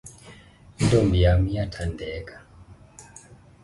intombi yam iyathandeka